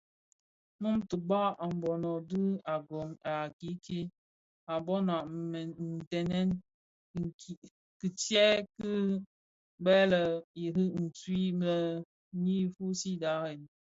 Muu bitaň a mbono dhi agon I kiiki a Mbona ndhenèn kitsè dhi bè lè Iring ñyi fusii barèn.